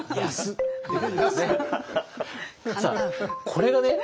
これがね